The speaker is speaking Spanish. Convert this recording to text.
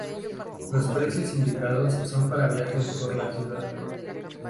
Los precio indicados son para viajes por la ciudad.